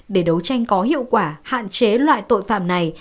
để đấu tranh có hiệu quả hạn chế loại tội phạm này